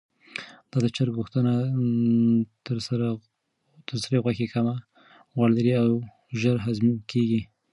دا د چرګ غوښه تر سرې غوښې کمه غوړ لري او ژر هضم کیږي.